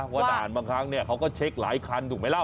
วันอาหารบางครั้งเนี่ยเขาก็เช็คหลายคันถูกไหมแล้ว